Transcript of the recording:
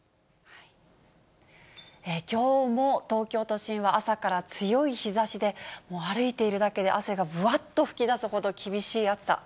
きょうも東京都心は朝から強い日ざしで、もう歩いているだけで汗がぶわっと噴き出すほど、厳しい暑さ。